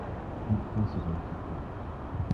Not possible!” She cried.